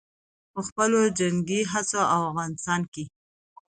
په خپلو جنګي هڅو او افغانستان کښې